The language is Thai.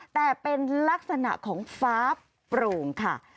แต่เป็นลักษณะของฟ้าโปร่งค่ะ